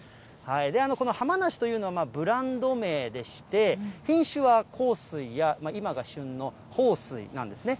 この浜なしというのはブランド名でして、品種は幸水や、今が旬の豊水なんですね。